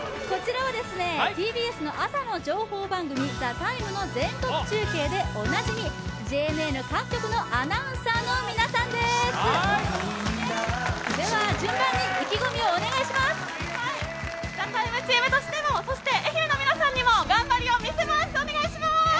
こちらはＴＢＳの朝の情報番組「ＴＨＥＴＩＭＥ，」の全国中継でおなじみ、ＪＮＮ各局のアナウンサーの皆さんです。